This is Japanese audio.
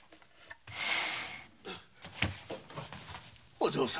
お嬢様。